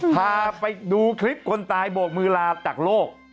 พาไปดูคลิปคนตายโบกมือลาจากโลก